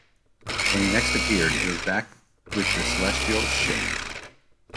When he next appeared, it was back with the Celestials' ship.